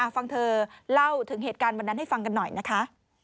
ฟังเธอเล่าถึงเหตุการณ์วันนั้นให้ฟังกันหน่อยนะคะ